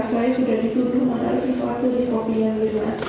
saya sudah ditutup menaruh sesuatu di kopi yang berlainan